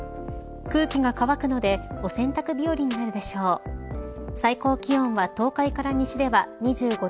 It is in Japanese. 空気が乾くのでお洗濯日和になるでしょう。わ！